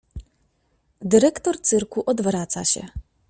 Dyrektor cyrku odwraca się.